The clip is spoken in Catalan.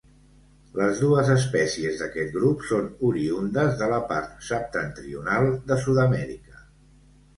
Les dues espècies d'aquest grup són oriündes de la part septentrional de Sud-amèrica.